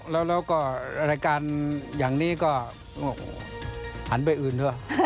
แล้วก็รายการอย่างนี้ก็หันไปอื่นด้วย